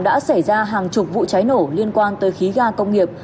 đã xảy ra hàng chục vụ cháy nổ liên quan tới khí ga công nghiệp